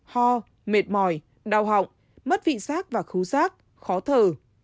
ho mệt mỏi đau họng mất vị sát và khú sát khó thở